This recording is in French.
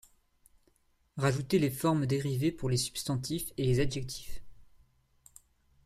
Rajouter les formes dérivées pour les substantifs et les adjectifs.